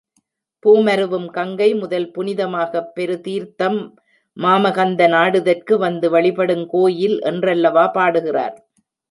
பூமருவும் கங்கை முதல் புனிதமாகப் பெருதீர்த்தம் மாமகந்தான் ஆடுதற்கு வந்து வழிபடுங் கோயில் என்றல்லவா பாடுகிறார்.